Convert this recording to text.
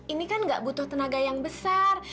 ini kan gak butuh tenaga yang besar